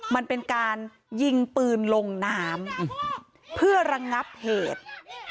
มันเป็นการยิงปืนลงน้ำเพื่อระงับเหตุ